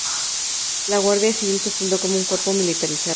La Guardia Civil se fundó como un Cuerpo militarizado.